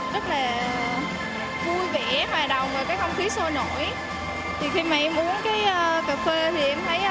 cà phê rất là đậm vị